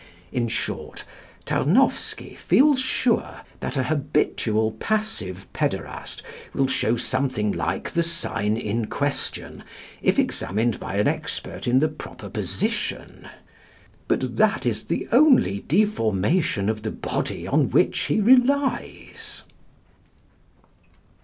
In short, Tarnowsky feels sure that a habitual passive pæderast will show something like the sign in question, if examined by an expert in the proper position. But that is the only deformation of the body on which he relies.